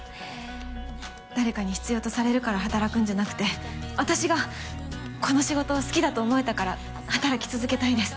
誰かに必要とされるから働くんじゃなくて私がこの仕事を好きだと思えたから働き続けたいです。